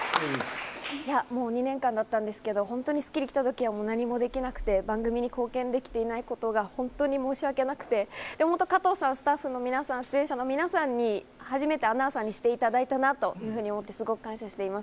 ２年間だったんですけど『スッキリ』に来た時には何もできなくて、番組に貢献できていないことが本当に申しわけなくて、でも加藤さん、スタッフの皆さん、出演者の皆さんに初めてアナウンサーにしていただいたなと思って、感謝しています。